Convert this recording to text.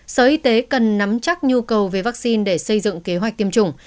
sở y tế cần nắm chắc nhu cầu về vaccine để xây dựng kế hoạch tiêm chủng